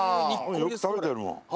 よく食べてるもん。